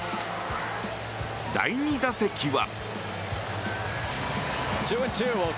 第２打席は。